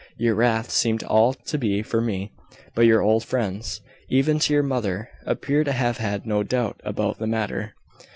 "Your wrath seemed all to be for me: but your old friends, even to your mother, appear to have had no doubt about the matter."